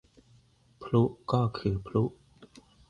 พลุก็คือพลุ